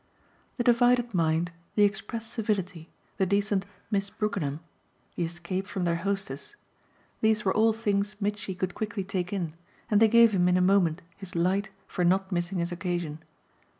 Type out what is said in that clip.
The divided mind, the express civility, the decent "Miss Brookenham," the escape from their hostess these were all things Mitchy could quickly take in, and they gave him in a moment his light for not missing his occasion.